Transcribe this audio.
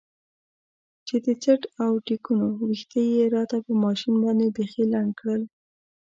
چې د څټ او ټېکونو ويښته يې راته په ماشين باندې بيخي لنډ کړل.